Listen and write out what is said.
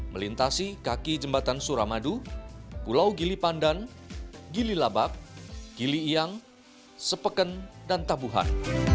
melintasi kaki jembatan suramadu pulau gili pandan gili labak giliyang sepeken dan tabuhan